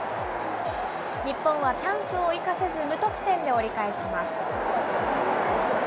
日本はチャンスを生かせず、無得点で折り返します。